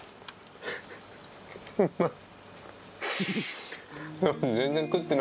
うまい。